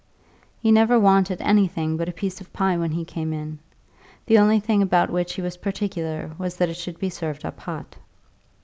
He never wanted anything but a piece of pie when he came in; the only thing about which he was particular was that it should be served up hot.